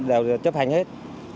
đều chấp hành hết